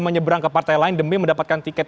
menyeberang ke partai lain demi mendapatkan tiket